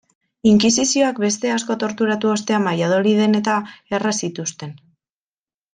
Inkisizioak beste asko torturatu ostean Valladoliden-eta erre zituzten.